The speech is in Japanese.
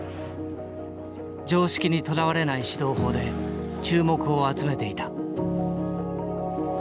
常識にとらわれない指導法で注目を集めていた。